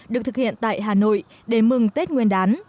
được thực hiện tại hà nội để mừng tết nguyên đán